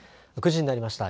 ９時になりました。